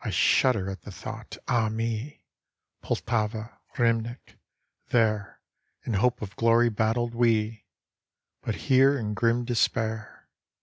I shudder at the thought — ah, me! Poltava, Rymnik — there In hope of glory battled we. But here in grim despair.